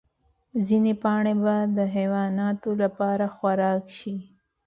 ځینې پاڼې به د حیواناتو لپاره خوراک شي.